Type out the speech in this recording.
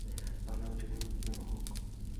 তাহলে অচিরেই মৃত্যু দেয়া হোক।